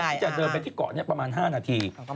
ที่จะเดินไปที่เกาะนี้ประมาณ๕นาที